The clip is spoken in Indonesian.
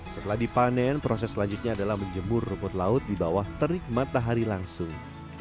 setelah dipanen proses selanjutnya adalah menjemur rumput laut di bawah terik matahari langsung